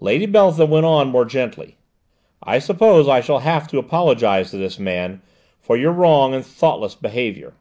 Lady Beltham went on more gently: "I suppose I shall have to apologise to this man for your wrong and thoughtless behaviour."